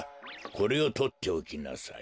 これをとっておきなさい。